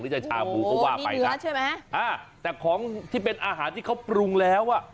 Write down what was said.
หรือจะชาวหมูก็ว่าไปนะแต่ของที่เป็นอาหารที่เขาปรุงแล้วอ่ะ